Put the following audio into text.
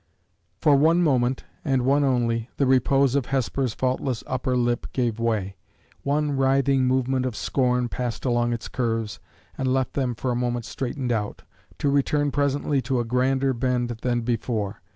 For one moment, and one only, the repose of Hesper's faultless upper lip gave way; one writhing movement of scorn passed along its curves, and left them for a moment straightened out to return presently to a grander bend than before.